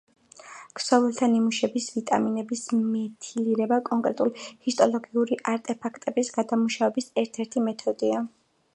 ქსოვილთა ნიმუშების ვიტამინების მეთილირება კონკრეტული ჰისტოლოგიური არტეფაქტების გადამუშავების ერთ-ერთი მეთოდია.